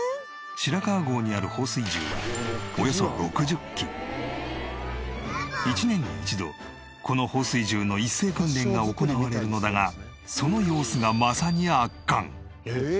白川郷にある放水銃は１年に１度この放水銃の一斉訓練が行われるのだがその様子がまさに圧巻。